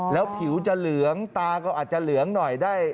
แล้วผิวจะเหลืองตาก็อาจจะเหลืองหน่อยได้